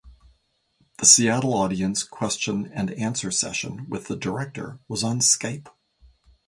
The Seattle audience question and answer session with the director was on Skype.